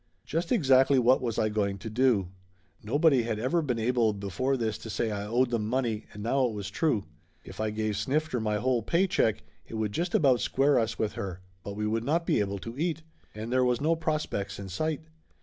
Just exactly what was I going to do? Nobody had ever been able before this to say I owed them money, and now it was true. If I gave Snifter my whole pay check it would just about square us with her, but we would not be able to eat. And there was no prospects in sight.